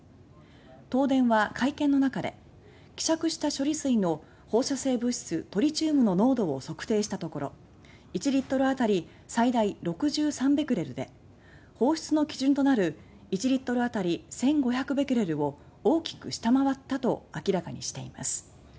東電は会見の中で希釈した処理水の放射性物質トリチウムの濃度を測定したところ１リットルあたり最大６３ベクレルで放出の基準となる１リットル当たり１５００ベクレルを大きく下回ったと明らかにしています。